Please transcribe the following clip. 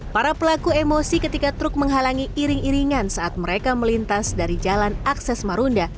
para pelaku emosi ketika truk menghalangi iring iringan saat mereka melintas dari jalan akses marunda